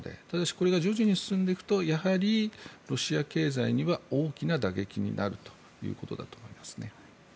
ただしこれが徐々に進んでいくとやはりロシア経済には大きな打撃になるということだと思いますね。